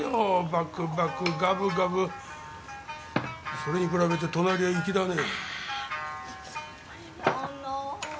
それに比べて隣は粋だねぇ。